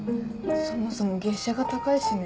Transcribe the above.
そもそも月謝が高いしね。